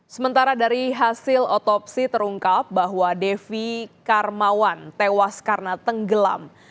sementara dari hasil otopsi terungkap bahwa devi karmawan tewas karena tenggelam